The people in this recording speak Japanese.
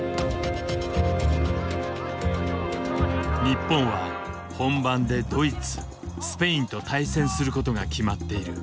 日本は本番でドイツスペインと対戦することが決まっている。